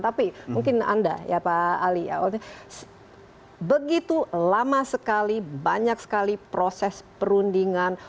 tapi mungkin anda ya pak ali begitu lama sekali banyak sekali proses perundingan